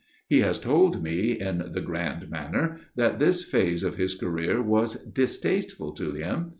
He has told me, in the grand manner, that this phase of his career was distasteful to him.